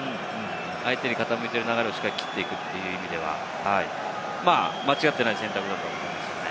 相手に傾いている流れを切っていくという意味では間違っていない選択だと思いますね。